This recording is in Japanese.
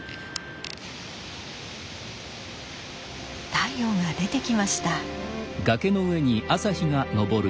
太陽が出てきました。